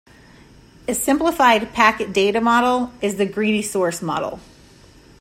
A simplified packet data model is the greedy source model.